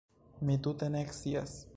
Mi tute ne scias.